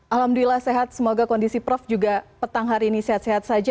alhamdulillah sehat semoga kondisi prof juga petang hari ini sehat sehat saja